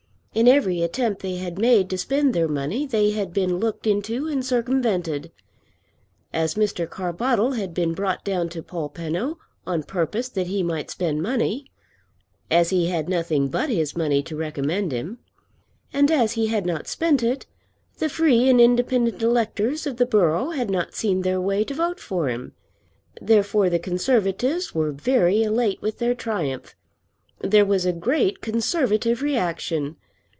In every attempt they had made to spend their money they had been looked into and circumvented. As Mr. Carbottle had been brought down to Polpenno on purpose that he might spend money, as he had nothing but his money to recommend him, and as he had not spent it, the free and independent electors of the borough had not seen their way to vote for him. Therefore the Conservatives were very elate with their triumph. There was a great Conservative reaction.